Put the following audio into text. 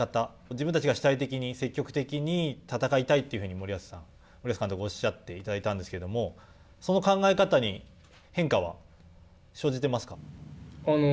自分たちが主体的に、積極的に戦いたいというふうに森保さん、森保監督におっしゃっていただいたんですけど、その考え方に変化は生じてますか。